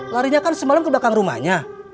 larinya kan semalam ke belakang rumahnya